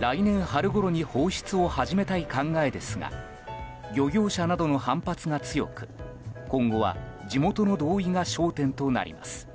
来年春ごろに放出を始めたい考えですが漁業者などの反発が強く今後は地元の同意が焦点となります。